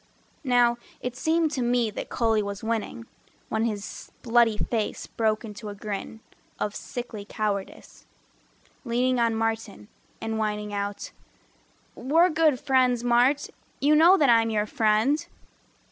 Now it seemed to me that Cully was winning, When his bloody face broke into a grin Of sickly cowardice, leaning on Martin And whining out "We're good friends, Mart, You know that I'm your friend."